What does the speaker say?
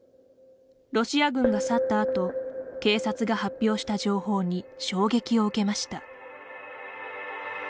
ロシア軍が去ったあと警察が発表した情報に衝撃を受けました。